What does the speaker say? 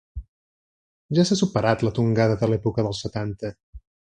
Ja s’ha superat la tongada de l’època dels setanta.